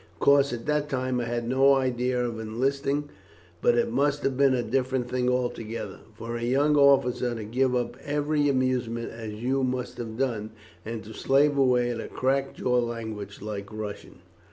Of course, at that time I had no idea of enlisting: but it must have been a different thing altogether for a young officer to give up every amusement, as you must have done, and to slave away at a crack jaw language like Russian."